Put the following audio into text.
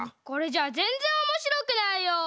これじゃあぜんぜんおもしろくないよ。